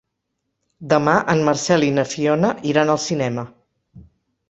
Demà en Marcel i na Fiona iran al cinema.